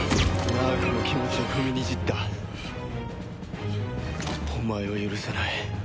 ナーゴの気持ちを踏みにじったお前を許さない。